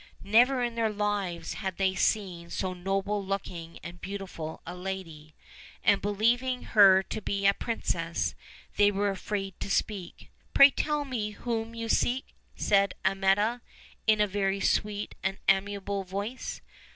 Never in their lives had they seen so noble looking and beautiful a lady; and believing her to be a princess, they were afraid to speak. "Pray tell me whom you seek?" said Amietta, in a very sweet and amiable voice.